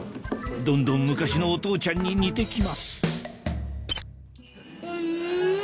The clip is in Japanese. どんどん昔のお父ちゃんに似て来ますん。